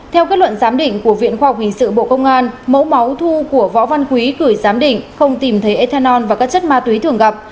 theo kết luận giám định của viện khoa học hình sự bộ công an mẫu máu thu của võ văn quý gửi giám định không tìm thấy ethanol và các chất ma túy thường gặp